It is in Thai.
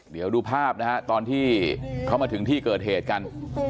เดี๋ยวดูภาพนะฮะตอนที่เขามาถึงที่เกิดเหตุกัน